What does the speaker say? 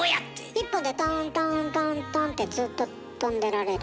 １本でトントントントンってずっと跳んでられる。